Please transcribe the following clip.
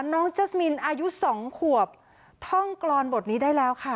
น้องแจ๊สมินอายุ๒ขวบท่องกรอนบทนี้ได้แล้วค่ะ